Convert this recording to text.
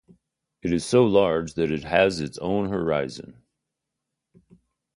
It is so large that it has its own horizon.